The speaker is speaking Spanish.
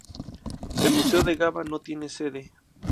El museo de Gaba no tiene sede.